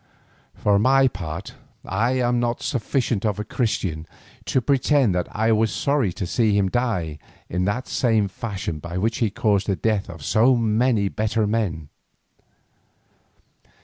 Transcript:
For my part I am not sufficient of a Christian to pretend that I was sorry to see him die in that same fashion by which he had caused the death of so many better men.